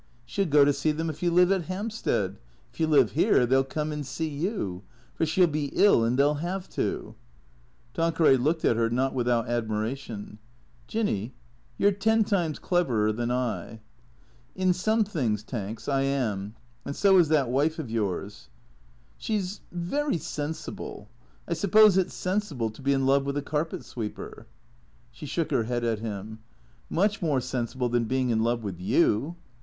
" She '11 go to see them if you live at Hampstead. If you live here they '11 come and see you. For she '11 be ill and they '11 have to." Tanqueray looked at her, not without admiration. " Jinny, you 're ten times cleverer than I." " In some things. Tanks, I am. And so is that wife of yours." " She 's — very sensible. I suppose it 's sensible to be in love with a carpet sweeper." She shook her head at him. " Much more sensible than being in love with you."